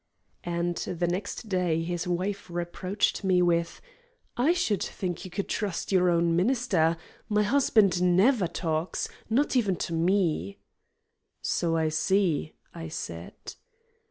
And the next day his wife reproached me with: "I should think you could trust your own minister. My husband NEVER talks not even to me." "So I see," I said.